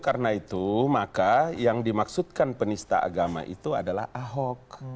karena itu maka yang dimaksudkan penista agama itu adalah ahok